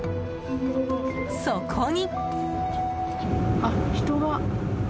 そこに。